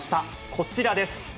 こちらです。